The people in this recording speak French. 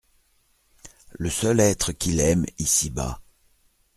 Le seul être qu’il aime ici-bas…